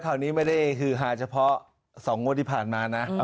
ข้อนี้ไม่ได้ฮือฮาห์เฉพาะ๒งวดนี้ผ่านมานะ